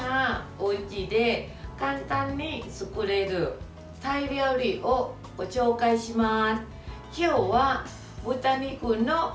おうちで簡単に作れるタイ料理をご紹介します。